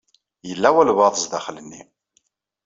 Yella walebɛaḍ zdaxel-nni.